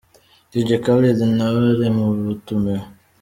Dj Khaled nawe ari mu batumiwe.